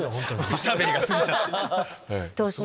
おしゃべりが過ぎちゃって。